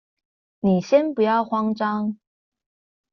你先不要慌張